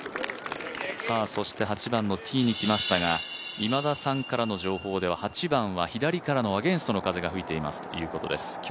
８番のティーに来ましたが、今田さんからの情報では、８番は左からのアゲンストの風が吹いているということです。